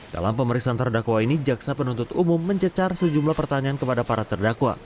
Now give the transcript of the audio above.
dalam pemeriksaan terdakwa ini jaksa penuntut umum mencecar sejumlah pertanyaan kepada para terdakwa